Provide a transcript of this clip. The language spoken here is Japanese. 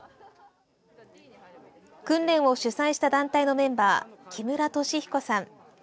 訓練を主催した団体のメンバー木村俊彦さん。